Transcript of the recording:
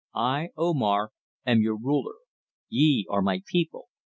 I, Omar, am your ruler; ye are my people.